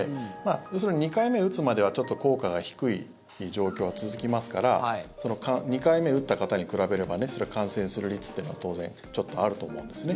要するに２回目を打つまでは効果が低い状況は続きますから２回目打った方に比べれば感染する率っていうのは当然、ちょっとあると思うんですね。